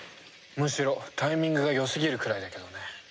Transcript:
むしろタイミングが良すぎるくらいだけどね。